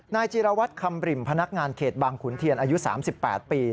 จีรวัตรคำบริมพนักงานเขตบางขุนเทียนอายุ๓๘ปี